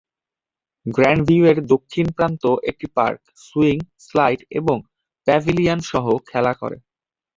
গ্র্যান্ডভিউয়ের দক্ষিণ প্রান্ত একটি পার্ক, সুইং, স্লাইড এবং প্যাভিলিয়ন সহ খেলা করে।